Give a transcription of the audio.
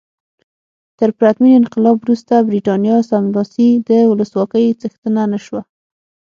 تر پرتمین انقلاب وروسته برېټانیا سملاسي د ولسواکۍ څښتنه نه شوه.